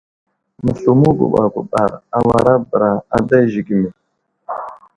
Məsləmo guɓar guɓar awara bəra ada zəgəmi.